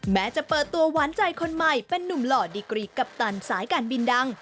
แม้จะเปิดตัวหวานใจคนใหม่เป็นนุ่มหล่อดีกรีกัปตันสายการบินดัง